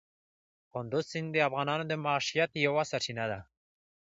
کندز سیند د افغانانو د معیشت یوه سرچینه ده.